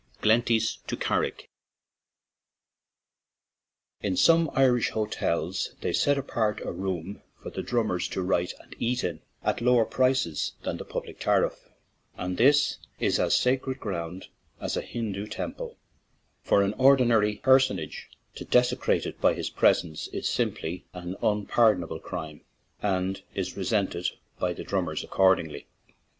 GLENTIES TO CARRICK IN some Irish hotels they set apart a room for the drummers to write and eat in, at lower prices than the public tariff, and this is as sacred ground as a Hindoo temple ; for an ordinary personage to desecrate it by his presence is simply an unpardonable crime and is resented by the drummers accordingly.